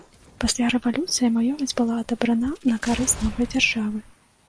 Пасля рэвалюцыі маёмасць была адабрана на карысць новай дзяржавы.